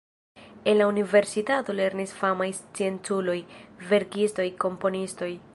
En la universitato lernis famaj scienculoj, verkistoj, komponistoj.